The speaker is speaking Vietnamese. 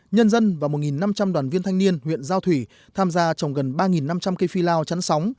nhân dân và một năm trăm linh đoàn viên thanh niên huyện giao thủy tham gia trồng gần ba năm trăm linh cây phi lao chắn sóng